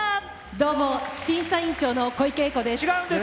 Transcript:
どうも、審査委員長の小池栄子です！